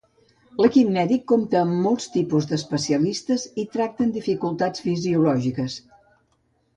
L'equip mèdic compta amb molts tipus d'especialistes i tracten dificultats fisiològiques.